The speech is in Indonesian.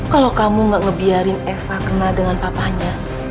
kalau kamu gak ngebiarin eva kena dengan papanya